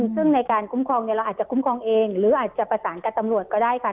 ซึ่งในการคุ้มครองเราอาจจะคุ้มครองเองหรืออาจจะประสานกับตำรวจก็ได้ค่ะ